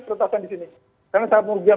retasan di sini karena sangat merugian